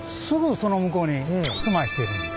すぐその向こうに住まいしてる。